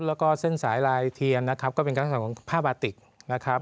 แล้วก็เส้นสายลายเทียนนะครับก็เป็นการลักษณะของผ้าบาติกนะครับ